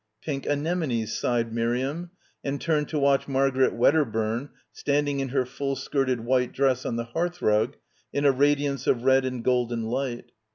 "Pink anemones," sighed Miriam, and turned to watch Margaret Wedderburn standing in her full skirted white dress on the hearthrug in a radiance of red and golden light.